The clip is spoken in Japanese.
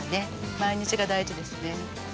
毎日が大事ですね。